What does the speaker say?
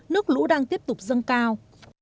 nước lũ đang tiếp tục dâng cao